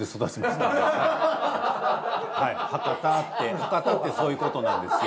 博多ってそういうことなんですよ。